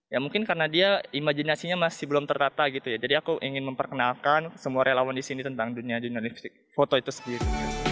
ya mungkin karena dia imajinasinya masih belum tertata gitu ya jadi aku ingin memperkenalkan semua relawan di sini tentang dunia jurnalistik foto itu sendiri